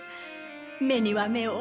「目には目を。